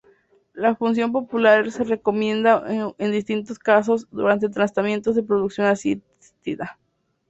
La punción folicular se recomienda en distintos casos durante tratamientos de reproducción asistida.